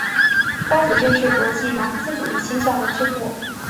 该组织是国际马克思主义倾向的支部。